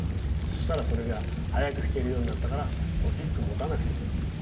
そしたらそれが速く弾けるようになったからもうピック持たなくてもいいや。